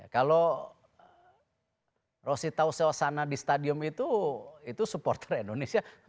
kalau rosita ososana di stadium itu itu supporter indonesia